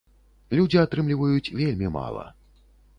Людзі атрымліваюць вельмі мала.